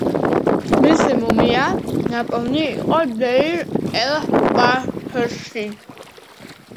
მისი მუმია ნაპოვნი იყო დეირ-ელ-ბაჰრში.